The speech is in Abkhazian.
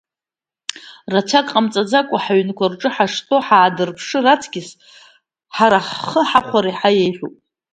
Рацәак ҟамҵаӡакәа ҳаҩнқәа рҿы ҳаштәоу ҳаадырԥшыр аҵкьыс ҳара ҳхы ҳахәар иаҳа еиӷьуп.